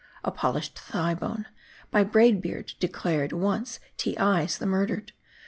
A polished thigh bone ; by Braid Beard declared once Teei's the Murdered.